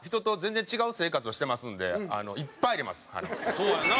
そうやんな。